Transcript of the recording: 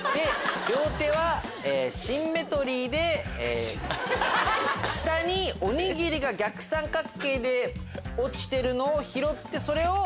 両手はシンメトリーで下におにぎりが逆三角形で落ちてるのを拾ってそれを。